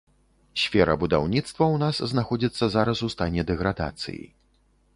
Сфера будаўніцтва ў нас знаходзіцца зараз у стане дэградацыі.